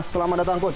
selamat datang coach